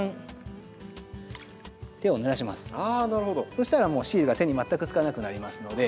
そしたらもうシールが手に全くつかなくなりますので。